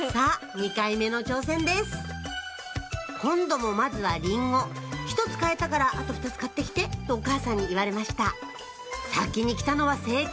２回目の挑戦です今度もまずはリンゴ１つ買えたからあと２つ買って来てとお母さんに言われました先に来たのは正解！